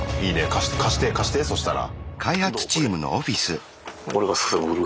貸して貸して貸してそしたら。